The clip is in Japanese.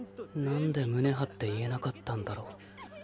なんで胸張って言えなかったんだろう